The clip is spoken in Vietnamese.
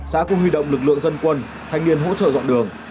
xã cũng huy động lực lượng dân quân thanh niên hỗ trợ dọn đường